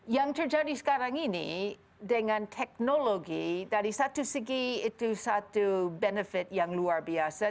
yang terjadi sekarang ini dengan teknologi dari satu segi itu satu benefit yang luar biasa